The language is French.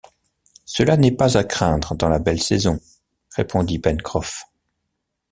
Cela n’est pas à craindre dans la belle saison, répondit Pencroff.